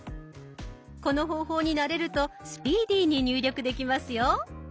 この方法に慣れるとスピーディーに入力できますよ。